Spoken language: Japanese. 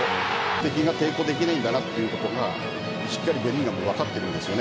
敵が抵抗できないということがしっかりベリンガムは分かっているんですよ。